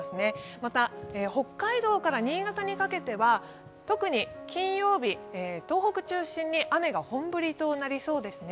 また、北海道から新潟にかけては、特に金曜日、東北中心に雨が本降りとなりそうですね。